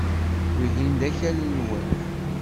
Wihin d akal-nwen.